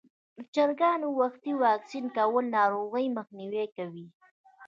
د چرګانو وختي واکسین کول ناروغۍ مخنیوی کوي.